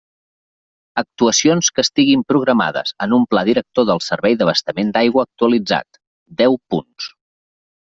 Actuacions que estiguin programades en un Pla director del servei d'abastament d'aigua actualitzat: deu punts.